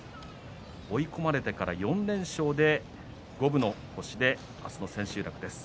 追い込まれてから４連勝で五分の星で明日の千秋楽です。